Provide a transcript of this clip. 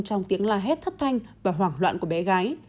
trong tiếng la hét thất thanh và hoảng loạn của bé gái